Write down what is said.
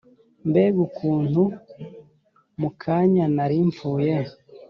mbega ukuntu mu kanya nari mpfuye